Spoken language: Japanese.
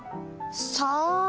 さあ？